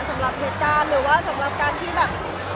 สำหรับเหตุการณ์หรือว่าสำหรับการที่แบบ